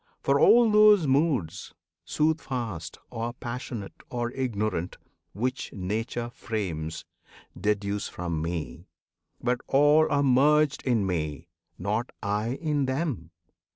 for all those moods, Soothfast, or passionate, or ignorant, Which Nature frames, deduce from me; but all Are merged in me not I in them!